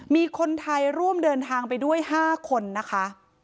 มีคนไทยร่วมเดินทางไปด้วย๕คนนะคะ